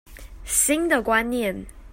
新的觀念